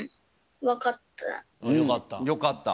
よかった。